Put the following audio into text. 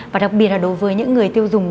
và đặc biệt là đối với những người tiêu dùng